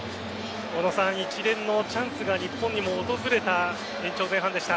一連のチャンスが日本にも訪れた延長前半でした。